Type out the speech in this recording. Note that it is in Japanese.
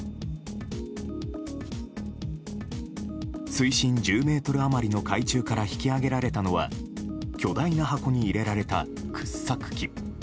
水深１０ｍ余りの海中から引き揚げられたのは巨大な箱に入れられた掘削機。